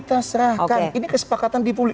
kita serahkan ini kesepakatan dipulih